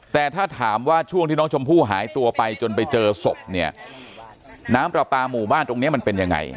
แต่ถ้าถามว่าช่วงที่น้องชมพู่หายตัวไปจนไปเจอศพเนี่ยน้ำปลาปลาหมู่บ้านตรงนี้มันเป็นยังไง